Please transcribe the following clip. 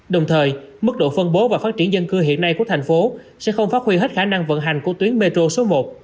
đồng thời mức độ phân bố và phát triển dân cư hiện nay của thành phố sẽ không phát huy hết khả năng vận hành của tuyến metro số một